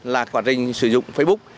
là quá trình sử dụng facebook